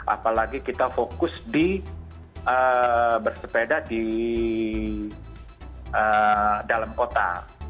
apalagi kita fokus di bersepeda di dalam kota